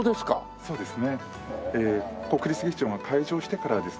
そうですね。